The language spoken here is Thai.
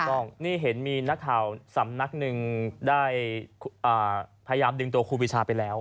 ต้องนี่เห็นมีนักข่าวสำนักหนึ่งได้พยายามดึงตัวครูปีชาไปแล้ว